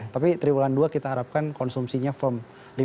tapi tiga bulan dua kita harapkan konsumsinya firm